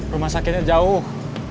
rumah sakitnya jauh